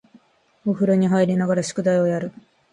お風呂に入りながら宿題をやる